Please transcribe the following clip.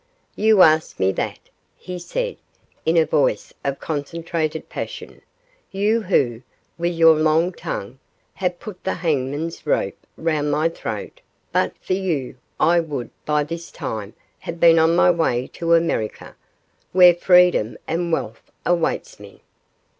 'You ask me that?' he said, in a voice of concentrated passion, 'you who, with your long tongue, have put the hangman's rope round my throat; but for you, I would, by this time, have been on my way to America, where freedom and wealth awaits me.